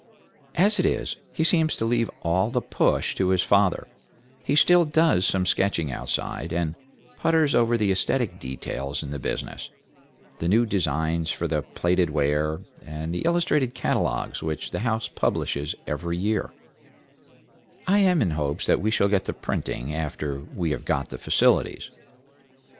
As it is, he seems to leave all the push to his father; he still does some sketching outside, and putters over the aesthetic details in the business, the new designs for the plated ware, and the illustrated catalogues which the house publishes every year; I am in hopes that we shall get the printing, after we have got the facilities.